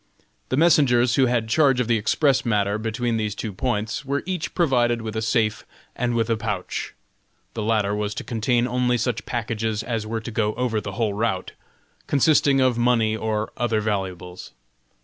The messengers who had charge of the express matter between these two points were each provided with a safe and with a pouch. The latter was to contain only such packages as were to go over the whole route, consisting of money or other valuables.